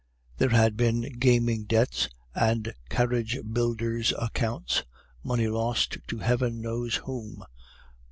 There had been gaming debts, and carriage builders' accounts, money lost to Heaven knows whom.